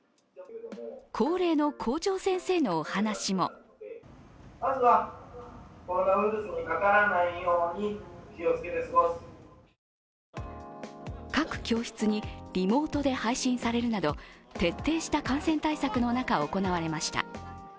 恒例の校長先生のお話も各教室にリモートで配信されるなど徹底した感染対策の中、行われました。